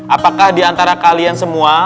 apakah di antara kalian semua